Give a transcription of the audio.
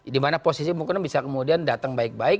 dimana posisi mungkin bisa kemudian datang baik baik